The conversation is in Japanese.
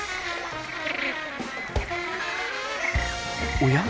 おや？